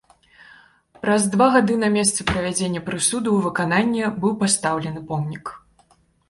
Праз два гады на месцы прывядзення прысуду ў выкананне быў пастаўлены помнік.